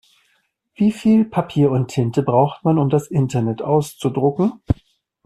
Wie viel Papier und Tinte braucht man, um das Internet auszudrucken?